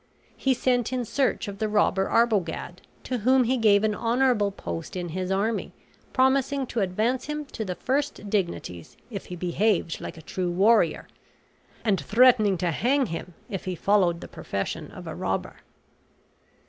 He sent in search of the robber Arbogad, to whom he gave an honorable post in his army, promising to advance him to the first dignities if he behaved like a true warrior, and threatening to hang him if he followed the profession of a robber.